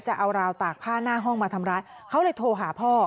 จะเอาราวตากผ้าหน้าห้องมาทำร้ายเขาเลยโทรหาพ่อ